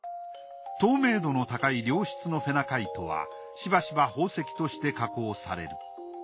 透明度の高い良質のフェナカイトはしばしば宝石として加工される。